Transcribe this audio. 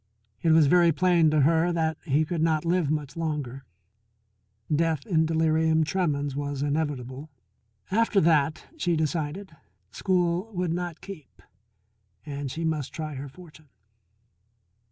It was very plain to her that he could not live much longer; death in delirium tremens was inevitable. After that, she decided, school would not keep, and she must try her fortune.